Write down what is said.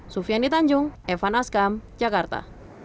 sufian ditanjung evan askam jakarta